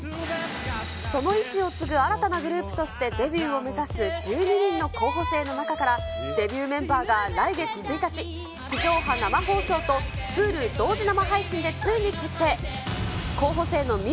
その意思を継ぐ新たなグループとしてデビューを目指す１２人の候補生の中から、デビューメンバーが来月１日、地上波生放送とＨｕｌｕ同時生配信でついに決定。